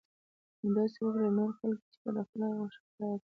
همداسې وکړه لکه نور خلک یې چې د خپلو خدای بښلو په یاد کوي.